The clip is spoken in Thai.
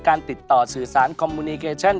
ติดต่อสื่อสารคอมมูนิเคชัน